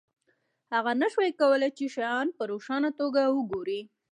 هغه نشوای کولی چې شیان په روښانه توګه وګوري